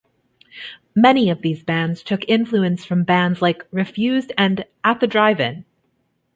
Many of these bands took influence from bands like Refused and At the Drive-In.